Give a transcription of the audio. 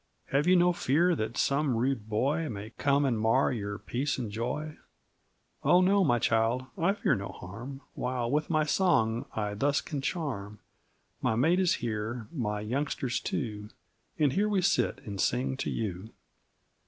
Have you no fear that some rude boy May come and mar your peace and joy? Oh, no, my child, I fear no harm, While with my song I thus can charm. My mate is here, my youngsters, too, And here we sit and sing to you.